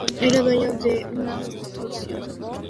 Era dueño de una cuantiosa fortuna.